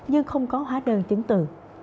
nhưng không có hóa đơn chứng từ